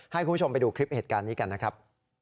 ให้คุณผู้ชมไปดูคลิปเหตุการณ์นี้กันนะครับ